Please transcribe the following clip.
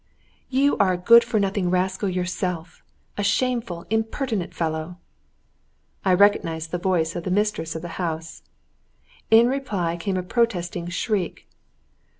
"You are a good for nothing rascal yourself a shameful, impertinent fellow!" I recognised the voice of the mistress of the house. In reply came a protesting shriek.